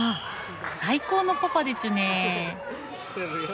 最高のパパでちゅね！